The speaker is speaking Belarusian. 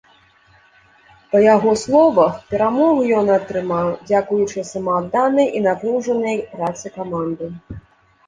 Па яго словах, перамогу ён атрымаў дзякуючы самаадданай і напружанай працы каманды.